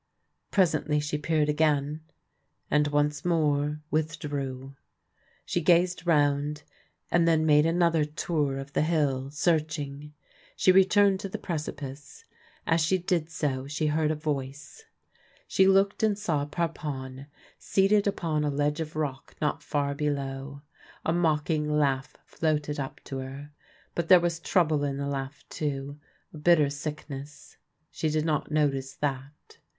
Presently she peered again, and once more withdrew. She gazed round, and then made another tour of the hill, searching. She returned to the preci pice. As she did so she heard a voice. She looked 228 THE LANE THAT HAD NO TURNING and saw Parpon seated upon a ledge of rock not far below. A mocking laugh floated up to her. But there was trouble in the laugh too — a bitter sickness. She did not notice that.